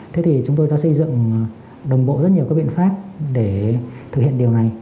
thế thì chúng tôi đã xây dựng đồng bộ rất nhiều các biện pháp để thực hiện điều này